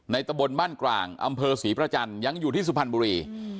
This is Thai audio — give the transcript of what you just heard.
ในตำบลมั่นกลางอศรีประจันทร์ยังอยู่ที่สุพรรณบุรี